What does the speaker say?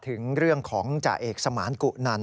ถึงเรื่องของจ่าเอกสมานกุนัน